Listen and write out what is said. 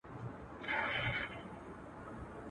موږ چي غله سوو، بيا سپوږمۍ راوخته.